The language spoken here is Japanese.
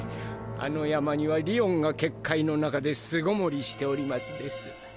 あの山にはりおんが結界の中で巣籠もりしておりますです。